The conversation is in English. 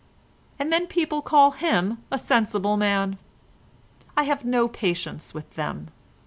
And then people call him a sensible man. I have no patience with them.